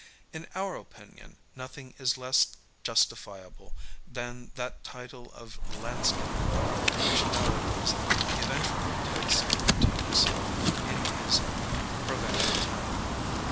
In our opinion, nothing is less justifiable than that title of landscape garden which nowadays eveiy hurge^h takes unto himself in his provincial town.